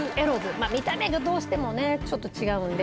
見た目がどうしてもねちょっと違うんで。